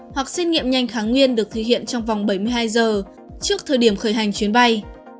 hoặc xét nghiệm nhanh kháng nguyên được thực hiện trong vòng bảy mươi hai giờ trước thời điểm khởi hành chuyến bay